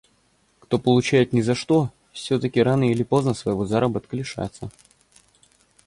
кто получает ни за что, все-таки рано или поздно своего заработка лишатся.